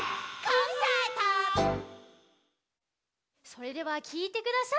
それではきいてください。